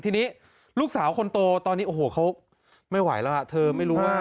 ทีนี้ลูกสาวคนโตตอนนี้โอ้โหเขาไม่ไหวแล้วเธอไม่รู้ว่า